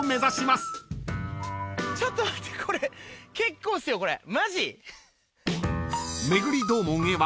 ちょっと待ってこれ結構っすよマジ。